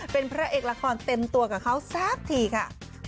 เป็นพระเอกละครเต็มตัวกับเขาสักทีค่ะ